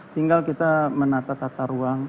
tinggal kita menata tata ruang